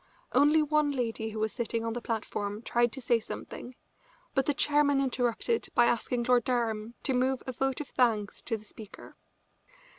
Only one lady who was sitting on the platform tried to say something, but the chairman interrupted by asking Lord Durham to move a vote of thanks to the speaker.